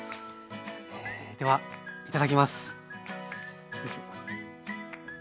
ではいただきます。